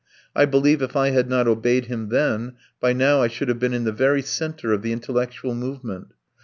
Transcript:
I believe if I had not obeyed him then, by now I should have been in the very centre of the intellectual movement.